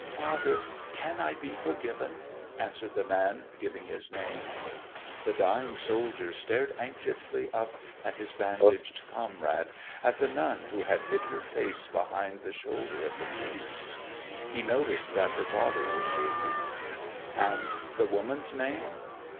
"Father, can I be forgiven?" answered the man giving his name. The dying soldier stared anxiously up at his bandaged comrade, at the nun who had hid her face behind the shoulder of the priest. He noticed that her body was shaking. "And the woman's name?"